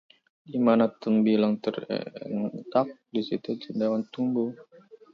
Di mana tembilang terentak, di situ cendawan tumbuh